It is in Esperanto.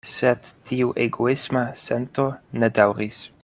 Sed tiu egoisma sento ne daŭris.